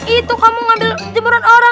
itu kamu ngambil jeburan orang